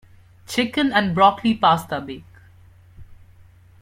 Chicken and broccoli pasta bake.